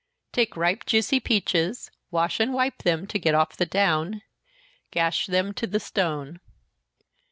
_ Take ripe juicy peaches wash and wipe them, to get off the down gash them to the stone.